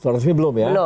surat resmi belum